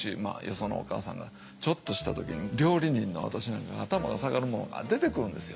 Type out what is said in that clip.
そのお母さんがちょっとした時に料理人の私なんかが頭が下がるものが出てくるんですよ。